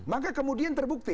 maka kemudian terbukti